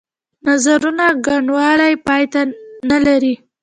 نظرونو ګڼوالی پای نه لري.